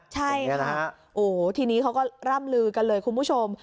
ใช่ค่ะโอ้ทีนี้เขาก็ร่ำลือกันเลยคุณผู้ชม